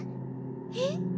えっ？